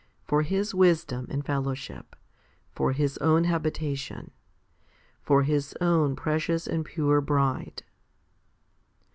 for His wisdom and fellowship, for His own habitation, for His own precious and pure bride.